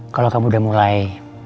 kalau kamu udah mulai